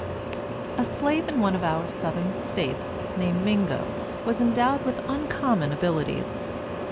A slave in one of our Southern States, named Mingo, was endowed with uncommon abilities.